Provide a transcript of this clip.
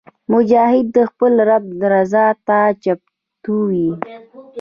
مجاهد د خپل رب رضا ته چمتو وي.